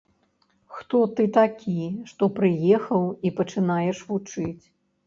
Хто ты такі, што прыехаў і пачынаеш вучыць.